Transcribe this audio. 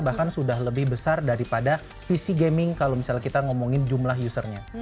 bahkan sudah lebih besar daripada visi gaming kalau misalnya kita ngomongin jumlah usernya